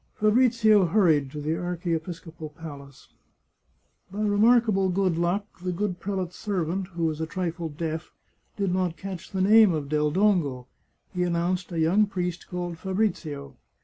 Fabrizio hurried to the archiepiscopal palace. By remarkable good luck the good prelate's servant, who was a trifle deaf, did not catch the name of Del Dongo. He announced a young priest called Fabrizio.